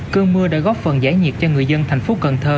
cơn mưa đã góp phần giải nhiệt cho người dân thành phố cần thơ